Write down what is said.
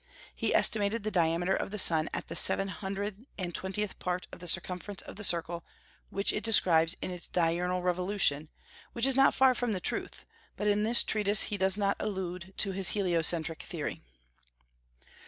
He estimated the diameter of the sun at the seven hundred and twentieth part of the circumference of the circle which it describes in its diurnal revolution, which is not far from the truth; but in this treatise he does not allude to his heliocentric theory.